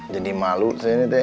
jadi malu sih ini teh